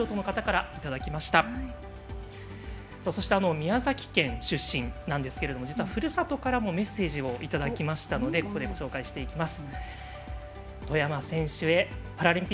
宮崎県出身なんですけど実はふるさとからもメッセージをいただきましたのでここでご紹介していきます。